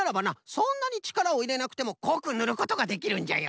そんなにちからをいれなくてもこくぬることができるんじゃよ。